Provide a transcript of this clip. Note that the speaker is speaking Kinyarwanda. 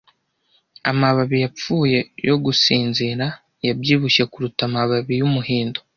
Amababi yapfuye yo gusinzira, yabyibushye kuruta amababi yumuhindo,